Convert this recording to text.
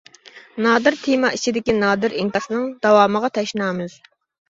نادىر تېما ئىچىدىكى نادىر ئىنكاسنىڭ داۋامىغا تەشنامىز.